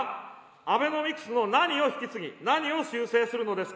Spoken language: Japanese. アベノミクスの何を引き継ぎ、何を修正するのですか。